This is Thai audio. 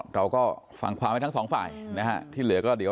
รอกันอะไรเจี๊ยบมันเพิ่งหาวันที่แม่กลับมาเจี๊ยบ